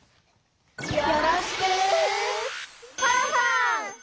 よろしくファンファン！